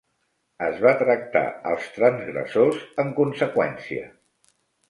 Es va tractar els transgressors en conseqüència.